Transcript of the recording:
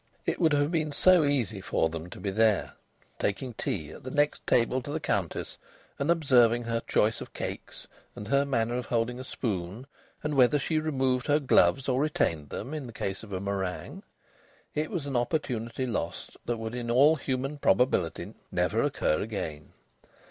It would have been so easy for them to be there, taking tea at the next table to the Countess, and observing her choice of cakes, and her manner of holding a spoon, and whether she removed her gloves or retained them in the case of a meringue. It was an opportunity lost that would in all human probability never occur again.)